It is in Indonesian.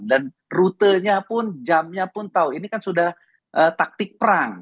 dan rutenya pun jamnya pun tahu ini kan sudah taktik perang